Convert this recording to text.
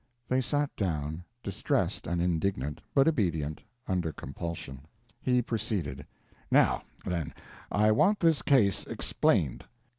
They sat down, distressed and indignant, but obedient, under compulsion. He proceeded: "Now, then, I want this case explained.